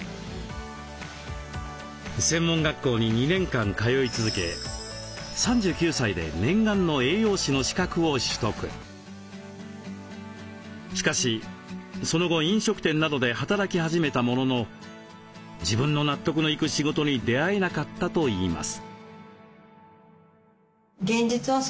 専門学校に２年間通い続けしかしその後飲食店などで働き始めたものの自分の納得のいく仕事に出会えなかったといいます。